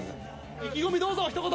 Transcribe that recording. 意気込みどうぞ、ひと言。